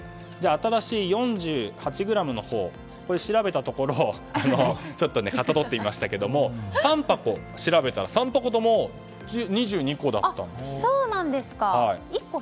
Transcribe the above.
新しい４８のほうを調べたところちょっとかたどってみましたが３箱しらべてみたら３箱とも２２個だったんです。